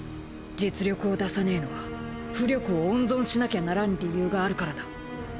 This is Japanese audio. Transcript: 実力を出さねえのは巫力を温存しなきゃならん理由があるからだ。